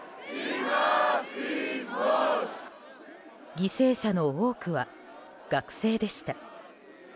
犠牲者の多くは学生でした。